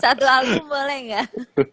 satu album boleh gak